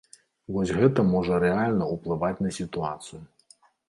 Вось гэта можа рэальна ўплываць на сітуацыю.